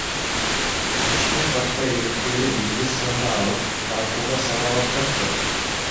Иштеп баштай электе эле бизди сынга алып, талкууга сала башташты.